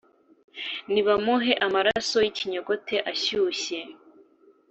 “Nibamuhe amaraso y’ikinyogote ashyushye